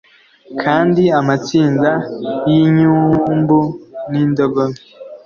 Kandi amatsinda yinyumbu nindogobe